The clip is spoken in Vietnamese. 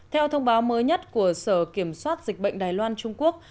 theo thông báo mới nhất của sở kiểm soát dịch bệnh đài loan trung quốc